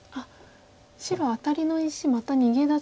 白アタリの石また逃げ出せますか。